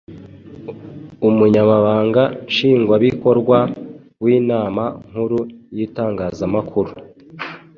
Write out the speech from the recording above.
umunyabanga Nshingwabikorwa w’Inama Nkuru y’Itangazamakuru